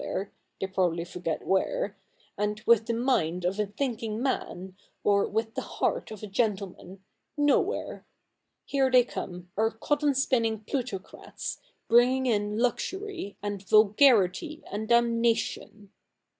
'e — they probably forget where — and with the nwid of a thinki?ig man, or with the heart of a gentleman, ?iowhere. Here they come, our cotton spin?ii?ig plutocrats, bringifig in luxury, and vulgarity, and damna tion